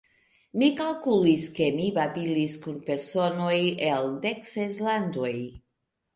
Mi kalkulis, ke mi babilis kun personoj el dek ses landoj.